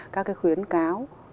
các khuyến cáo